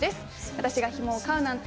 「私がヒモを飼うなんて」